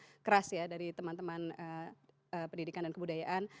jadi saya melihat ada usaha keras ya dari teman teman pendidikan dan kebudayaan